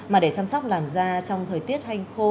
mà để chăm sóc làn da trong thời tiết hanh khô